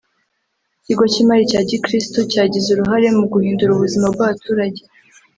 Ikigo cy’imali cya Gikristo cyagize uruhare mu guhindura ubuzima bw’abaturage